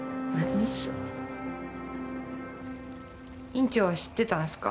院長は知ってたんすか？